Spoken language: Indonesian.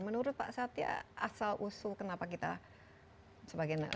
menurut pak satya asal usul kenapa kita sebagai negara